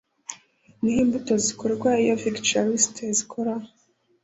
Nihe Imbuto Zikora iyo Viticulturiste Zikura